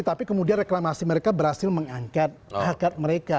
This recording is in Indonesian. tapi kemudian reklamasi mereka berhasil mengangkat hakikat mereka